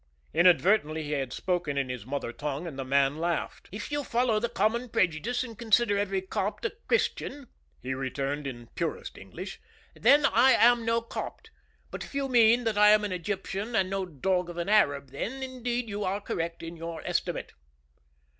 Inadvertently he had spoken in his mother tongue and the man laughed. "If you follow the common prejudice and consider every Copt a Christian," he returned in purest English, "then I am no Copt; but if you mean that I am an Egyptian, and no dog of an Arab, then, indeed, you are correct in your estimate."